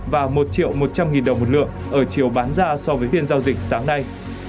và một triệu một trăm linh đồng một lượng ở chiều bán ra so với biên giao dịch sáng nay